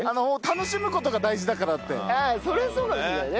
ああそれはそうかもしれないね。